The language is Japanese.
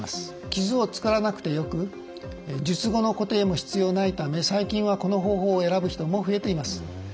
傷を作らなくてよく術後の固定も必要ないため最近はこの方法を選ぶ人も増えています。